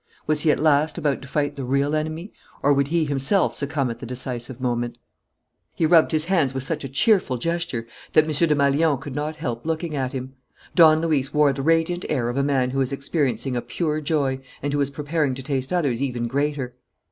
Was he at last about to fight the real enemy, or would he himself succumb at the decisive moment? He rubbed his hands with such a cheerful gesture that M. Desmalions could not help looking at him. Don Luis wore the radiant air of a man who is experiencing a pure joy and who is preparing to taste others even greater.